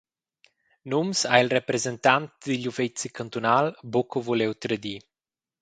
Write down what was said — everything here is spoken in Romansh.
Nums ha il representant digl uffeci cantunal buca vuliu tradir.